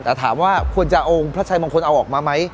แต่ถามว่าควรจะเอาพระชัยมงคลเอาออกมาไหม